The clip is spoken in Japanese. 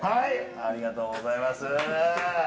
ありがとうございます。